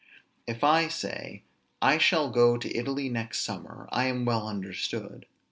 If I say, "I shall go to Italy next summer," I am well understood.